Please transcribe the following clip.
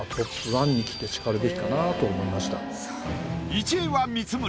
１位は光宗。